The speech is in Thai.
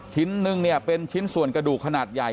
ชิ้นนึงเนี่ยเป็นชิ้นส่วนกระดูกขนาดใหญ่